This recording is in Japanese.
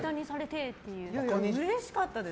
うれしかったです。